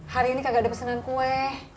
hari ini kagak ada pesanan kue